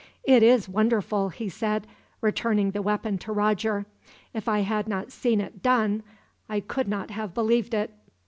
"It is wonderful," he said, returning the weapon to Roger. "If I had not seen it done, I could not have believed it."